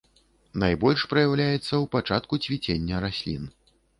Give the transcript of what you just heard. Найбольш праяўляецца ў пачатку цвіцення раслін.